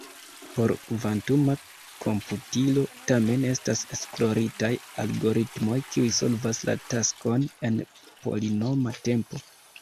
Por kvantuma komputilo, tamen, estas esploritaj algoritmoj kiuj solvas la taskon en polinoma tempo.